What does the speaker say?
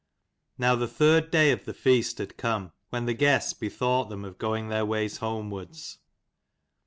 IOW the third day of the feast had come, when the guests bethought them of going their [ways homewards.